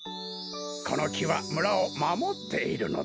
このきは村をまもっているのだね。